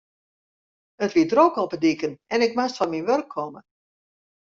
It wie drok op de diken en ik moast fan myn wurk komme.